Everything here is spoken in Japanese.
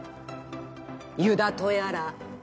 遊田とやら。